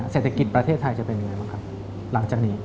เศรษฐกิจประเทศไทยจะเป็นอย่างไรบ้างครับหลังจากนี้